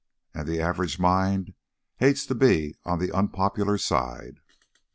And the average mind hates to be on the unpopular side.